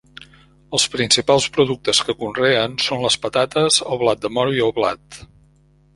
Els principals productes que conreen són les patates, el blat de moro i el blat.